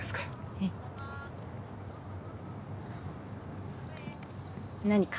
ええ。何か？